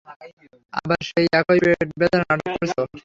আবার সেই একই পেটব্যথার নাটক করছে ও।